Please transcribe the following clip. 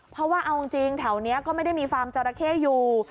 เพราะว่าเอาจริงแถวนี้ก็ไม่ได้มีฟาร์มจราเข้อยู่